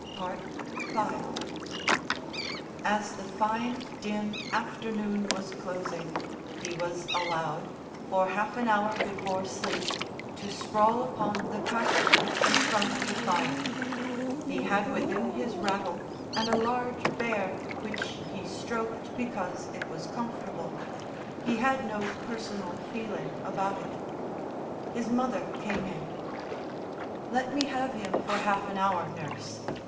V As the fine, dim afternoon was closing, he was allowed, for half an hour before sleep, to sprawl upon the carpet in front of the fire. He had with him his rattle and a large bear which he stroked because it was comfortable; he had no personal feeling about it. His mother came in. "Let me have him for half an hour, nurse.